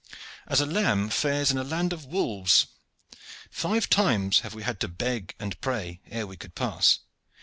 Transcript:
"As a lamb fares in a land of wolves. Five times we have had to beg and pray ere we could pass.